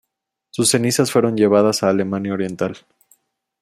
Sus cenizas fueron llevadas a Alemania Oriental.